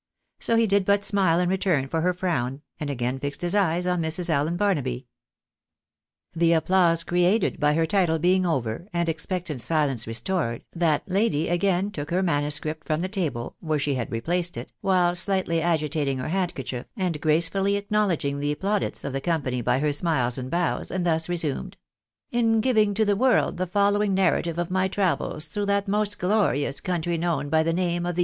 So he did but smile in return for her frown, and again fixed his eyes on Mrs. Allen Barnaby. The applause created by her title being over, and expectant silence restored, that lady again took her manuscript from the table, where she had replaced it, while slightly agitating her hand kerchief, and gracefully acknowledging the plaudits of the company by her smiles and bows, and thus resumed :—" In giving to the world the following narrative of my travels through that most glorious country known by the name of the A WELL EECEIVE]> EXORDIUM.